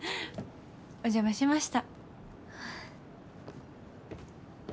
お邪魔しました。